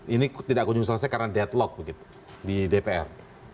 ini tidak kunjung selesai karena deadlock begitu di dpr